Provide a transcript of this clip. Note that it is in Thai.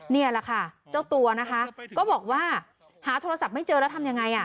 นี่แหละค่ะเจ้าตัวนะคะก็บอกว่าหาโทรศัพท์ไม่เจอแล้วทำยังไง